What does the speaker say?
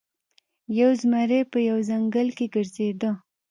یو زمری په یوه ځنګل کې ګرځیده.